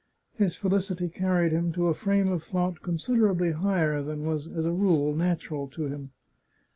His felicity carried him to a frame of thought consider ably higher than was as a rule natural to him.